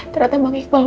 ternyata bagi iqbal